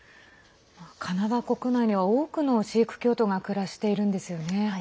カナダ国内には多くのシーク教徒が暮らしているんですよね。